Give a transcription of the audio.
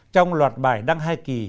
trong loạt bài đăng hai kỳ